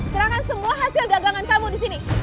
serahkan semua hasil dagangan kamu disini